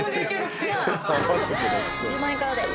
１０万円からで。